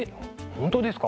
本当ですか。